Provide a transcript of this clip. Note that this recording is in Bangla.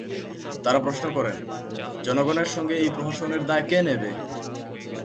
তাঁরা প্রশ্ন করেন, জনগণের সঙ্গে এই প্রহসনের দায় কে নেবে?